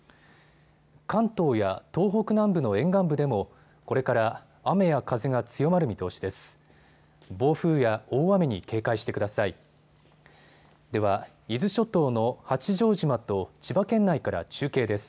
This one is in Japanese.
関東や東北南部の沿岸部でもこれから雨や風が強まる見通しです。